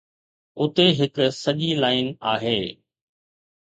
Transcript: اتي هڪ سڄي لائن آهي.